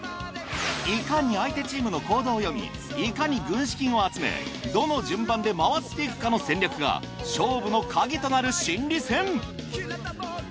いかに相手チームの行動を読みいかに軍資金を集めどの順番で回っていくかの戦略が勝負の鍵となる心理戦。